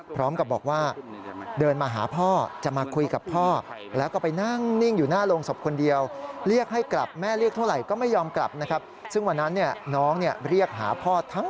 พร้อมกับบอกว่าเดินมาหาพ่อจะมาคุยกับพ่อ